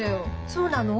そうなの？